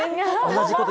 同じこと。